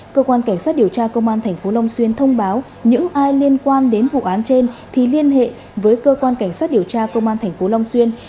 cơ quan cảnh sát điều tra công an thành phố long xuyên thông báo những ai liên quan đến vụ án trên thì liên hệ với cơ quan cảnh sát điều tra công an thành phố long xuyên